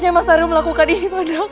kenapa mas ari melakukan ini pada aku mas